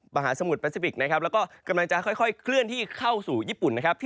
มหาสมุทรแปซิฟิกนะครับแล้วก็กำลังจะค่อยเคลื่อนที่เข้าสู่ญี่ปุ่นนะครับ